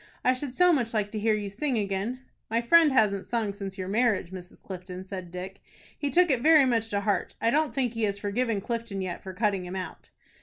I should so much like to hear you sing again." "My friend hasn't sung since your marriage, Mrs. Clifton," said Dick. "He took it very much to heart. I don't think he has forgiven Clifton yet for cutting him out."